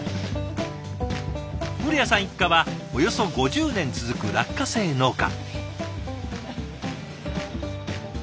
古谷さん一家はおよそ５０年続く落花生農家。